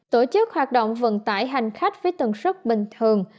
tổ chức hoạt động vận tải hành khách với tầng sức bình thường